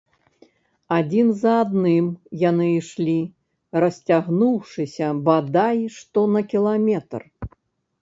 Адзін за адным яны ішлі, расцягнуўшыся бадай што на кіламетр.